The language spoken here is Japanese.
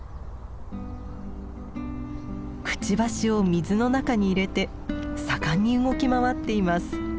くちばしを水の中に入れて盛んに動き回っています。